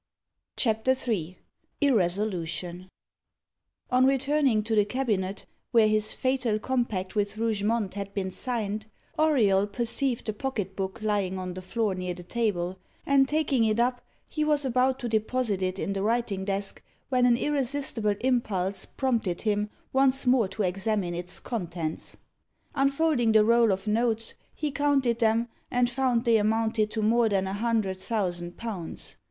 CHAPTER III IRRESOLUTION On returning to the cabinet, where his fatal compact with Rougemont had been signed, Auriol perceived the pocket book lying on the floor near the table, and, taking it up, he was about to deposit it in the writing desk, when an irresistible impulse prompted him once more to examine its contents. Unfolding the roll of notes, he counted them, and found they amounted to more than a hundred thousand pounds.